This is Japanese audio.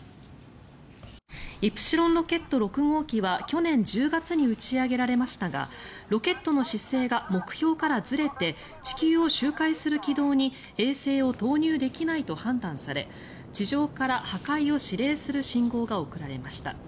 イプシロンロケット６号機は去年１０月に打ち上げられましたがロケットの姿勢が目標からずれて地球を周回する軌道に衛星を投入できないと判断され地上から破壊を指令する信号が送られました。